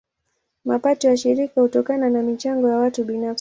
Mapato ya shirika hutokana na michango ya watu binafsi.